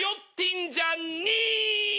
んじゃにぃ！